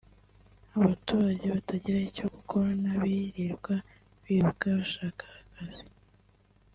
Abaturage batagira icyo gukora n’abirirwa biruka bashaka akazi